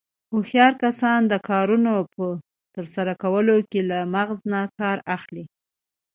هوښیار کسان د کارنو په ترسره کولو کې له مغزو نه کار اخلي.